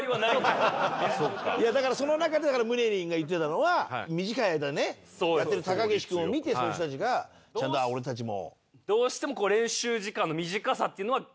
だからその中でムネリンが言ってたのは短い間ねやってる高岸君を見て選手たちがちゃんと俺たちも。